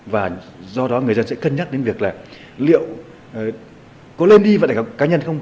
và do đó người dân sẽ cân nhắc đến việc là liệu có lên đi vận tải gặp cá nhân không